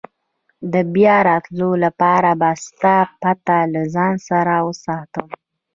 د بیا راتلو لپاره به ستا پته له ځان سره وساتم.